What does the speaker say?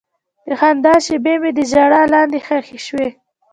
د خندا شېبې مې د ژړا لاندې ښخې شوې.